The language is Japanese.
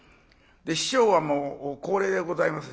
師匠はもう高齢でございます。